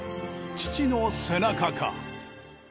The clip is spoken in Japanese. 父の背中か。